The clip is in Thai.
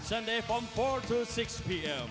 สวัสดีครับทุกคน